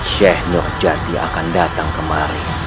sheikh nurjati akan datang kemari